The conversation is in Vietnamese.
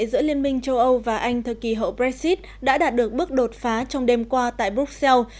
giữa liên minh châu âu và anh thời kỳ hậu brexit đã đạt được bước đột phá trong đêm qua tại bruxelles